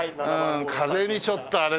風にちょっとあれだな。